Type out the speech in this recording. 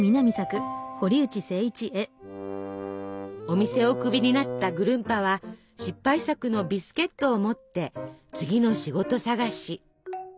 お店ををクビになったぐるんぱは失敗作のビスケットを持って次の仕事探し。